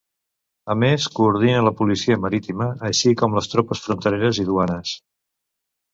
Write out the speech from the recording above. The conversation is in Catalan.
A més coordina la policia marítima, així com les tropes frontereres i duanes.